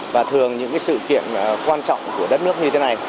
và thường những sự kiện quan trọng của đất nước như thế này